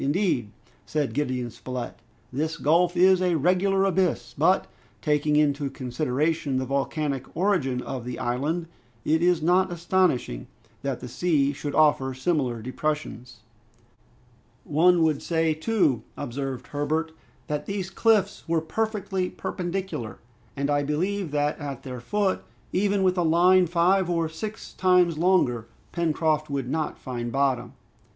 "Indeed," said Gideon Spilett, "this gulf is a regular abyss, but, taking into consideration the volcanic origin of the island, it is not astonishing that the sea should offer similar depressions." "One would say too," observed Herbert, "that these cliffs were perfectly perpendicular; and I believe that at their foot, even with a line five or six times longer, Pencroft would not find bottom."